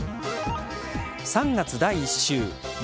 ３月第１週。